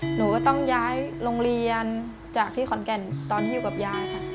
หนูก็ต้องย้ายโรงเรียนจากที่ขอนแก่นตอนที่อยู่กับยายค่ะ